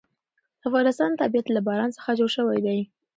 د افغانستان طبیعت له باران څخه جوړ شوی دی.